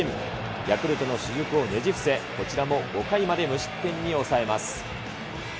ヤクルトの主軸をねじ伏せ、こちらも５回まで無失点に抑えます。